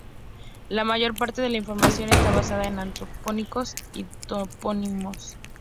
La mayor parte de la información está basada en antropónimos y topónimos.